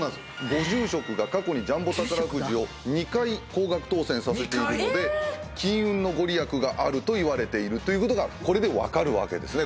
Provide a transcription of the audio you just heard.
ご住職が過去にジャンボ宝くじを２回高額当選させているので金運の御利益があるといわれているということがこれで分かるわけですね